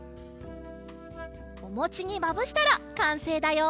おもちにまぶしたらかんせいだよ。